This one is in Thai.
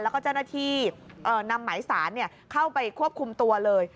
แล้วก็เจ้าหน้าที่นำหมายสารเข้าไปควบคุมตัวเลย